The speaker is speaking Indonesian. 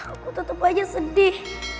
aku tetap aja sedih